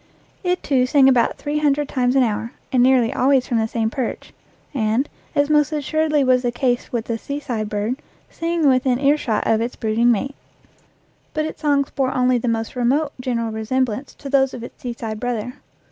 It, too, sang about three hundred times an hour, and nearly always from the same perch, and, as most assuredly was the case with the seaside bird, singing within earshot of its brooding mate. But its songs bore only the most remote general resemblance to those of its seaside brother.